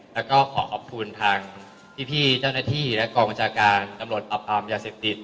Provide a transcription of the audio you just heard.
แล้วก็ขอขอบคุณทางพี่เจ้าหน้าที่และกองบัญชาการตำรวจปรับปรามยาเสพติด